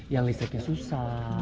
yang listriknya susah